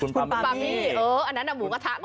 คุณปามี่อันนั้นหมูกระทะป่